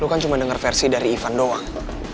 lo kan cuma denger versi dari ivan doang